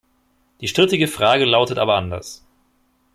Die strittige Frage lautet aber anders.